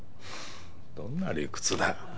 どんな理屈だよ。